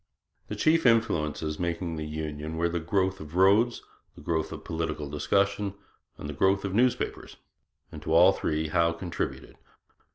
The chief influences making for union were the growth of roads, the growth of political discussion, and the growth of newspapers; and to all three Howe contributed.